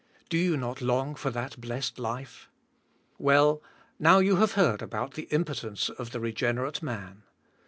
Do you not long for that blessed life? Well, now you have heard about the impotence of the regenerate man.